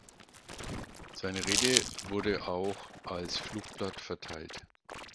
Seine Rede wurde auch als Flugblatt verteilt.